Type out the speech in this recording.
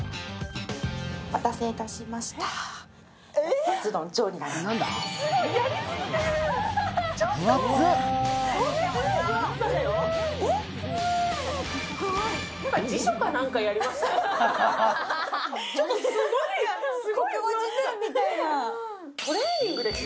お待たせいたしました、カツ丼になります。